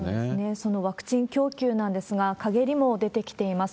そのワクチン供給なんですが、陰りも出てきています。